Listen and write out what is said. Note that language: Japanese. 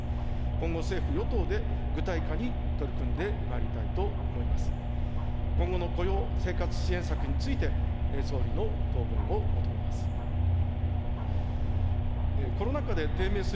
今後、政府・与党で具体化に取り組んでまいりたいと思います。